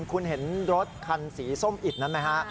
คุณเห็นรถคันสีส้มอิดนั้นไหมฮะ